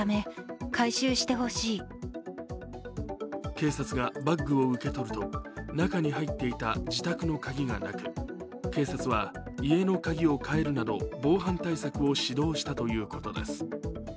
警察がバッグを受け取ると中に入っていた自宅の鍵がなく、警察は家の鍵を変えるなど防犯対策を指導したということです。